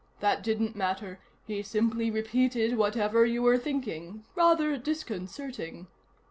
That didn't matter; he simply repeated whatever you were thinking. Rather disconcerting."